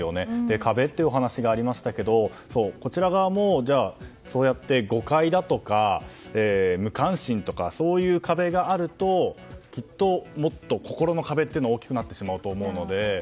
壁っていうお話がありましたけどこちら側もじゃあ、そうやって誤解だとか無関心とか、そういう壁があるときっと、もっと心の壁が大きくなってしまうと思うので。